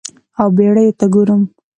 او بیړیو ته ګورم